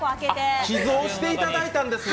寄贈していただいたんですね。